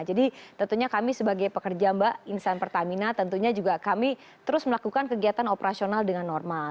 jadi tentunya kami sebagai pekerja mbak insan pertamina tentunya juga kami terus melakukan kegiatan operasional dengan normal